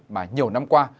mà nhiều năm qua